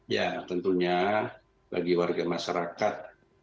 ya tentunya bagi warga masyarakat